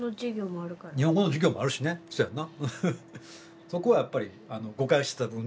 そうやんな。